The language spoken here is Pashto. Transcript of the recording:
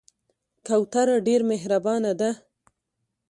کوتره ډېر مهربانه ده.